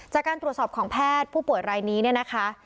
จากการตรวจสอบของแพทย์ผู้ป่วยรายนี้เนี่ยนะคะ